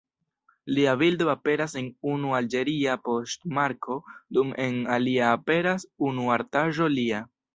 Lia bildo aperas en unu alĝeria poŝtmarko dum en alia aperas unu artaĵo lia.